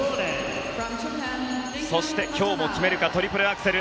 そして、今日も決めるかトリプルアクセル。